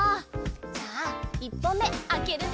じゃあ１ぽんめあけるね。